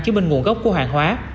chứ bên nguồn gốc của hàng hóa